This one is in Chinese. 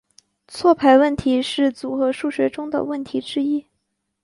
错排问题是组合数学中的问题之一。